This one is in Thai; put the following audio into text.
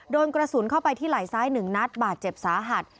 โดนกระสุนเข้าไปที่ไหล่ซ้าย๑นัดบาดเจ็บสาหัส